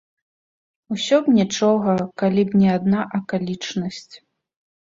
Усё б нічога, калі б не адна акалічнасць.